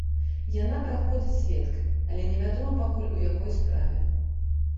Яна праходзіць сведкай, але не вядома пакуль, у якой справе.